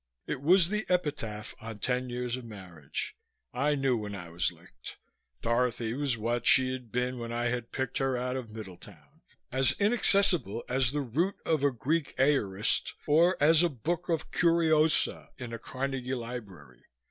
It was the epitaph on ten years of marriage. I knew when I was licked. Dorothy was what she had been when I had picked her out of Middletown as inaccessible as the root of a Greek aorist or as a book of curiosa in a Carnegie library.